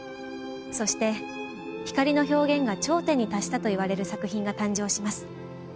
そして光の表現が頂点に達したといわれる作品が誕生します。